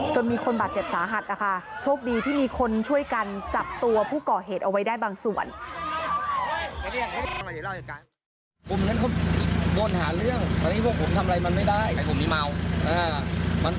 มีคนบาดเจ็บสาหัสนะคะโชคดีที่มีคนช่วยกันจับตัวผู้ก่อเหตุเอาไว้ได้บางส่วน